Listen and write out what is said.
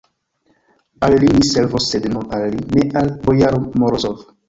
Al li mi servos, sed nur al li, ne al bojaro Morozov.